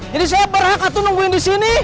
jadi saya berhak atau nungguin di sini